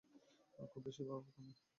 খুব বেশিই ভাবো তুমি।